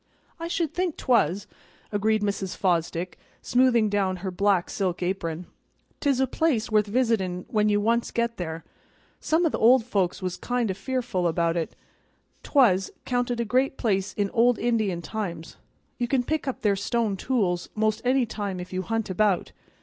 "I should think 'twas," agreed Mrs. Fosdick, smoothing down her black silk apron. "'Tis a place worth visitin' when you once get there. Some o' the old folks was kind o' fearful about it. 'Twas 'counted a great place in old Indian times; you can pick up their stone tools 'most any time if you hunt about.